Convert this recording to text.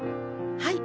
はい。